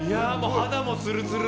肌もツルツル！